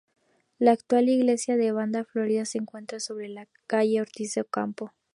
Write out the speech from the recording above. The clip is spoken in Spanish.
La actual iglesia de Banda Florida se encuentra sobre la calle Ortiz de Ocampo.